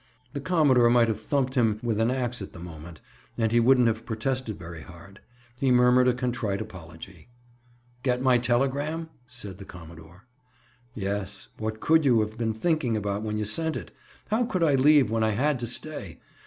The commodore might have thumped him with an ax, at the moment, and he wouldn't have protested very hard. He murmured a contrite apology. "Get my telegram?" said the commodore. "Yes. What could you have been thinking about when you sent it? How could I leave when I had to stay?